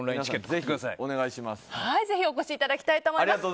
ぜひお越しいただきたいと思います。